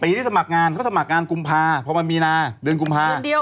ที่สมัครงานเขาสมัครงานกุมภาพอมันมีนาเดือนกุมภา